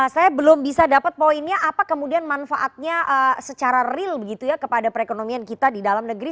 saya belum bisa dapat poinnya apa kemudian manfaatnya secara real begitu ya kepada perekonomian kita di dalam negeri